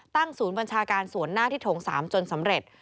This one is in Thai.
ศูนย์บัญชาการส่วนหน้าที่โถง๓จนสำเร็จ